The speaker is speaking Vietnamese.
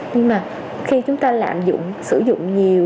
nhưng mà khi chúng ta lạm dụng sử dụng nhiều